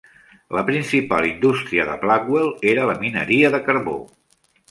La principal indústria de Blackwell era la mineria de carbó.